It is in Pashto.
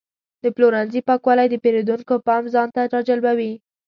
د پلورنځي پاکوالی د پیرودونکو پام ځان ته راجلبوي.